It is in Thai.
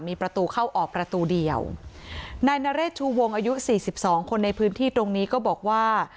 มีประตูเข้าออกประตูเดียวนายนเรชชูวงอายุสี่สิบสองคนในพื้นที่ตรงนี้ก็บอกว่า